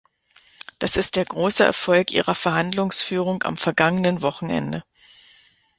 Das ist der große Erfolg Ihrer Verhandlungsführung am vergangenen Wochenende!